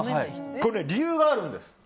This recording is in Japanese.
これ理由があるんです。